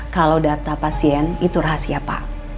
kalau data pasien itu rahasia apa